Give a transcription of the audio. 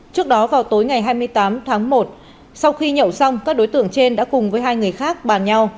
trước đó vào tối ngày hai mươi tám tháng một sau khi nhậu xong các đối tượng trên đã cùng với hai người khác bàn nhau